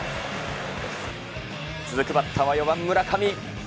続くバッターは４番村上。